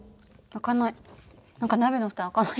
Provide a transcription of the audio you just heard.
開かない。